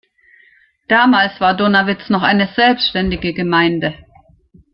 Damals war Donawitz noch eine selbständige Gemeinde.